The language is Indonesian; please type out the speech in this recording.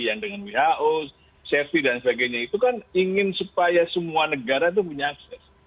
yang dengan who safety dan sebagainya itu kan ingin supaya semua negara itu punya akses